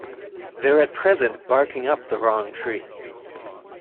They're at present barking up the wrong tree.